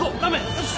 よし！